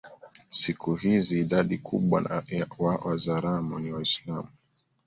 Siku hizi idadi kubwa wa Wazaramo ni Waislamu